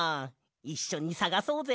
いっしょにさがそうぜ！